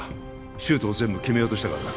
シュートを全部決めようとしたからだ